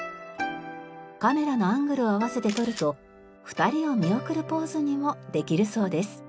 カメラのアングルを合わせて撮ると２人を見送るポーズにもできるそうです。